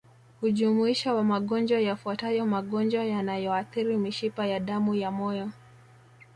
Hujumuisha magonjwa yafuatayo magonjwa yanayoathiri mishipa ya damu ya moyo